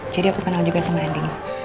jadi aku kenal juga sama andin